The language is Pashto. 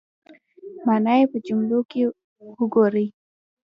مانا یې په جملو کې وګورئ